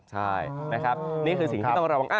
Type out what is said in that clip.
ใช่นี่คือสิ่งที่ต้องระวัง